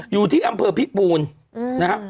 อยู่ที่อำเภอพิษบูรณ์นะครับ